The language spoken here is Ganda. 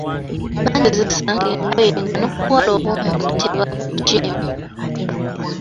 Banjozesanga engoye nga n'obuwale obwomunda tebabuggyeemu.